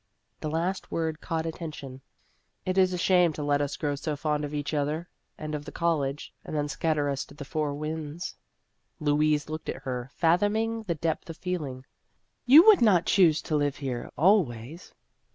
The last word caught attention. " It is a shame to let us grow so fond of each other and of the college, and then scatter us to the four winds." Louise looked at her, fathoming the depth of feeling. " You would not choose to live here always